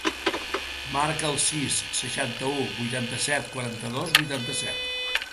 Marca el sis, seixanta-u, vuitanta-set, quaranta-dos, vuitanta-set.